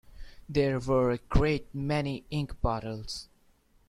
There were a great many ink bottles.